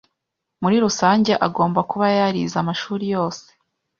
muri rusange agomba kuba yarize amashuri yose.